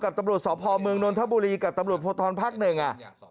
กับตำรวจสอบภอมเมืองนทบุรีกับตำรวจโพธรภักดิ์หนึ่ง